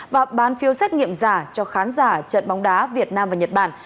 và bán phiếu xét nghiệm giả cho khán giả trận bóng đá việt nam và nhật bản